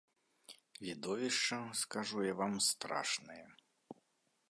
Відовішча, скажу я вам, страшнае.